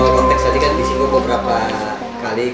konteks tadi kan disinggung beberapa kali